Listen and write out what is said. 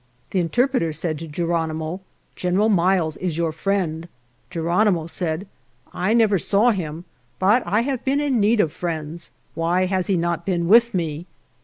The interpreter said to Geronimo, " Gen eral Miles is your friend." Geronimo said, " I never saw him, but I have been in need of friends. Why has he not been with me?